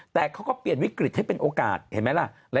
แต่เขาก็เปลี่ยนวิกฤตให้เป็นโอกาสเห็นไหมล่ะ